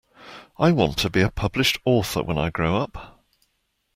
I want to be a published author when I grow up.